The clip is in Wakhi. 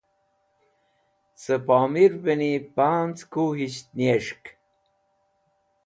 Cẽ pomirvẽni panz kuyisht niyes̃h.